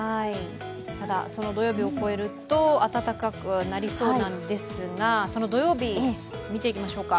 ただ、その土曜日を越えると暖かくなりそうなんですが、その土曜日、見ていきましょうか。